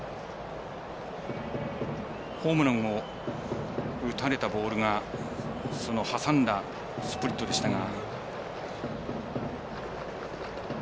ホームランを打たれたボールが挟んだスプリットでしたが。